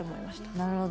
なるほど。